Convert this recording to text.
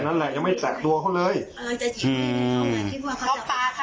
แค่นั้นแหละยังไม่แตกตัวเขาเลยเออจะจริงอืม